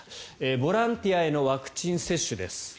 ボランティアへのワクチン接種です。